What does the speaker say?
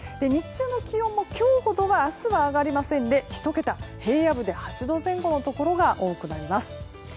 日中の気温も今日ほどは明日は上がりませんで１桁で、平野部で８度前後のところが多くなります。